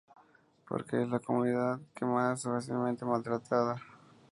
Porque es la comunidad que más fácilmente es maltratada".